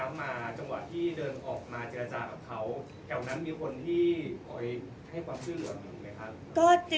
แก่วนั้นมิวคนที่ให้ความชื่อเหลือมิวไหมคะ